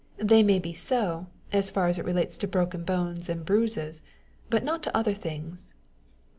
They may be so, as far as relates to broken bones and Tbruiscs, but not to other things.